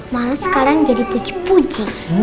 malah sekarang jadi pucuk puji